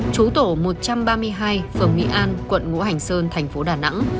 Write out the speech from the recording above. chú tổ một trăm ba mươi hai phường mỹ an quận ngũ hành sơn thành phố đà nẵng